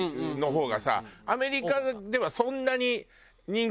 アメリカではそんなに人気。